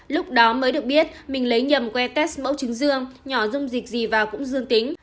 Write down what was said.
lúc đó mới được biết mình lấy nhầm que test mẫu chứng dương nhỏ dung dịch gì và cũng dương tính